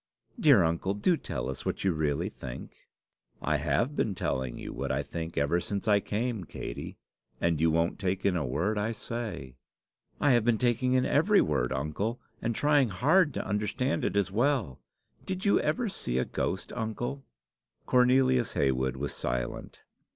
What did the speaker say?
"Dear uncle, do tell us what you really think." "I have been telling you what I think ever since I came, Katey; and you won't take in a word I say." "I have been taking in every word, uncle, and trying hard to understand it as well. Did you ever see a ghost, uncle?" Cornelius Heywood was silent.